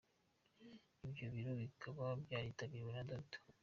Ibyo birori bikaba byaritabiriwe na Dr.